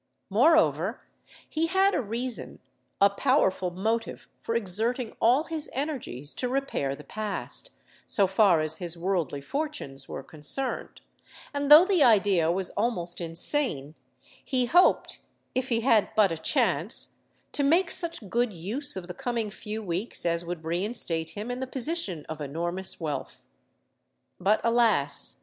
Moreover, he had a reason—a powerful motive for exerting all his energies to repair the past, so far as his worldly fortunes were concerned; and though the idea was almost insane, he hoped—if he had but a chance—to make such good use of the coming few weeks as would reinstate him in the possession of enormous wealth. But, alas!